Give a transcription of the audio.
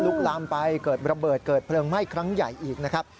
ลามไปเกิดระเบิดเกิดเพลิงไหม้ครั้งใหญ่อีกนะครับ